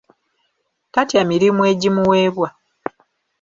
Tatya mirimu egimuweebwa.